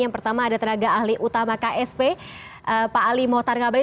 yang pertama ada tenaga ahli utama ksp pak ali mohtar ngabalin